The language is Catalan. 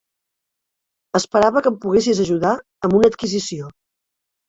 Esperava que em poguessis ajudar amb una adquisició.